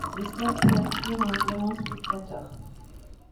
Le stade peut accueillir environ spectateurs.